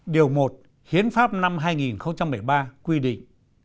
điều một hiến pháp năm hai nghìn một mươi ba quy định